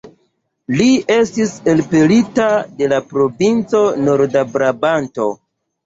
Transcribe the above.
Li estis elpelita de la provinco Norda-Brabanto.